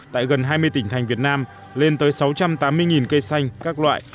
tại gần hai mươi tỉnh thành việt nam lên tới sáu trăm tám mươi cây xanh các loại